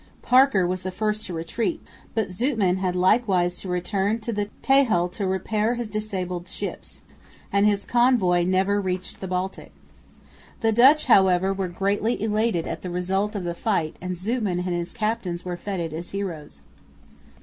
Parker was the first to retreat, but Zoutman had likewise to return to the Texel to repair his disabled ships, and his convoy never reached the Baltic. The Dutch however were greatly elated at the result of the fight, and Zoutman and his captains were feted as heroes.